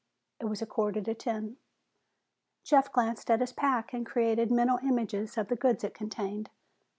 It was a quarter to ten. Jeff glanced at his pack and created mental images of the goods it contained.